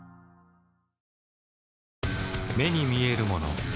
目に見えるもの